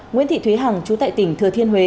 nguyễn thị thúy hằng chú tại tỉnh thừa thiên huế